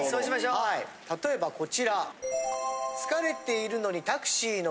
はい例えばこちら。